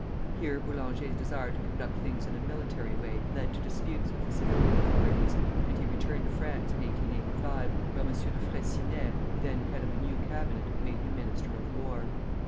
Here Boulanger's desire to conduct things in a military way led to disputes with the civil authorities, and he returned to France in 1885, where M. de Freycinet, then head of a new Cabinet, made him Minister of War.